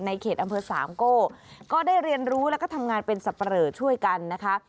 เขตอำเภอสามโก้ก็ได้เรียนรู้แล้วก็ทำงานเป็นสับปะเหลอช่วยกันนะคะ